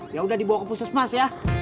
ya udah dibawa ke pusat mas ya